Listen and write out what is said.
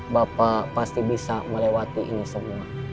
bapak pasti bisa melewati ini semua